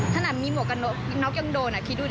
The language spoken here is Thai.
ถ้าหนักมีหมวกกับนกยังโดนอ่ะพี่ดูดิ